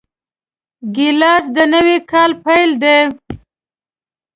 ګیلاس د نوي کاله پیل دی.